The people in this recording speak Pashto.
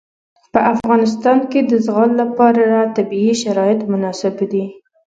په افغانستان کې د زغال لپاره طبیعي شرایط مناسب دي.